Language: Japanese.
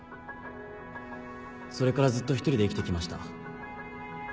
それからずっと一人で生きてきました。